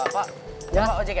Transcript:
pak ya pak ojek ya